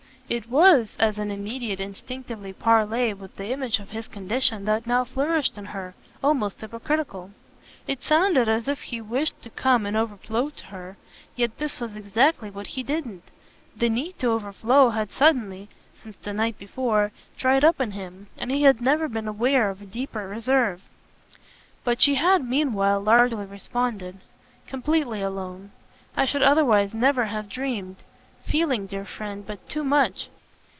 It was, as an immediate instinctive parley with the image of his condition that now flourished in her, almost hypocritical. It sounded as if he wished to come and overflow to her, yet this was exactly what he didn't. The need to overflow had suddenly since the night before dried up in him, and he had never been aware of a deeper reserve. But she had meanwhile largely responded. "Completely alone. I should otherwise never have dreamed; feeling, dear friend, but too much!"